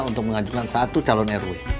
untuk mengajukan satu calon rw